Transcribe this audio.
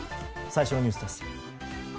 最初のニュースです。